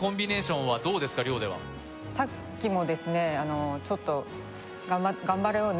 寮ではさっきもですねちょっと頑張ろうね！